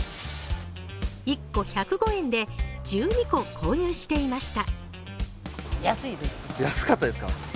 １個１０５円で１２個購入していました。